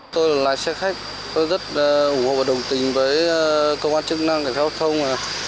tôi là lái xe khách tôi rất ủng hộ và đồng tình với cơ quan chức năng cảnh sát giao thông